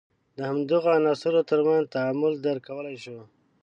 د همدغو عناصر تر منځ تعامل درک کولای شو.